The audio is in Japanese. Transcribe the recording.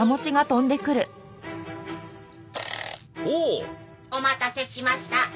お待たせしました。